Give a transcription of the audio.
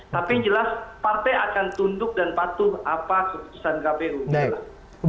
tapi jelas partai akan tunduk dan patuh apa keputusan kpu